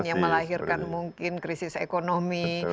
yang melahirkan mungkin krisis ekonomi